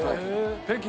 北京。